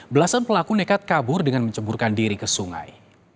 belasan pelaku nekat kabur dengan menceburkan diri ke sungai